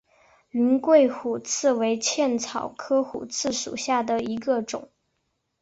云桂虎刺为茜草科虎刺属下的一个种。